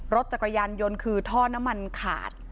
รถจักรยานยนต์คือท่อน้ำมันขาด